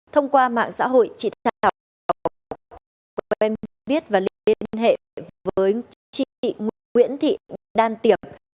thông qua mạng xã hội chị thảo đã bảo quên biết và liên hệ với chị nguyễn thị đan tiệp